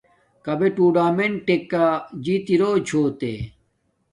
کبݺ ٹݸنݳمنٹَکݳ جݵت اِرݸ چھݸتݺ؟